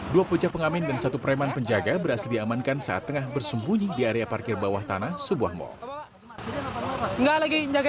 dua bocah pengamen dan satu preman penjaga berhasil diamankan saat tengah bersembunyi di area parkir bawah tanah sebuah mal